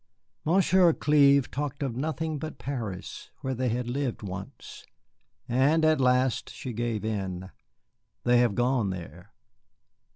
Monsieur Clive talked of nothing but Paris, where they had lived once. And at last she gave in. They have gone there."